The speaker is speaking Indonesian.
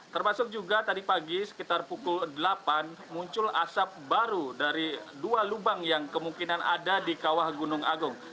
termasuk juga tadi pagi sekitar pukul delapan muncul asap baru dari dua lubang yang kemungkinan ada di kawah gunung agung